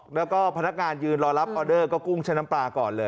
แล้วก็พนักงานยืนรอรับออเดอร์ก็กุ้งใช้น้ำปลาก่อนเลย